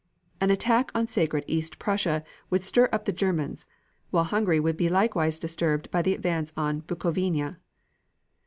An attack on sacred East Prussia would stir up the Germans, while Hungary would be likewise disturbed by the advance on Bukovina.